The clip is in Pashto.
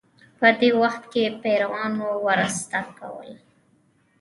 په دې وخت کې پیروانو ته ورزده کول